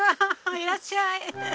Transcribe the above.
いらっしゃい。